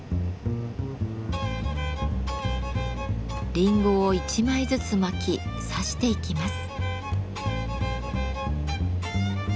リンゴを１枚ずつ巻きさしていきます。